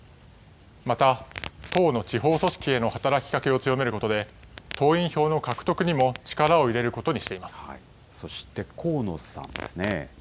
また、党の地方組織への働きかけを強めることで、党員票の獲得にも力を入れることにしています。